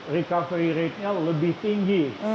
recovery ratenya lebih tinggi